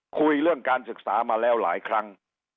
คุยเรื่องการศึกษามาแล้วหลายครั้ง